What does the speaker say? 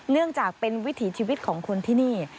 เนื่องจากเป็นวิถีชีวิตของคนที่นี่